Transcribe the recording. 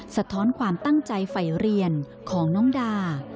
สะท้อนความตั้งใจฝ่ายเรียนของน้องดา